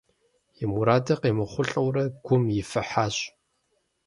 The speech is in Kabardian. И мурадыр къемыхъулӏэурэ, гум ифыхьащ.